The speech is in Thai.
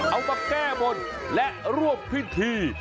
เอามาแก้บนและรวบพิธี